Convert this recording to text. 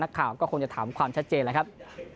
ข่าวก็คงจะถามความชัดเจนแล้วครับ